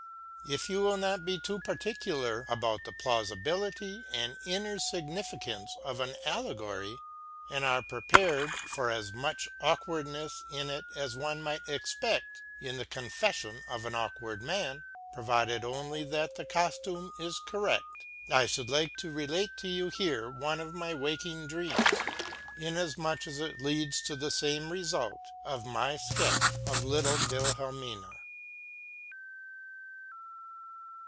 If you will not be too particular about the plausibility and inner significance of an allegory, and are prepared for as much awkwardness in it as one might expect in the confessions of an awkward man, provided only that the costume is correct, I should like to relate to you here one of my waking dreams, inasmuch as it leads to the same result as my sketch of little Wilhelmina.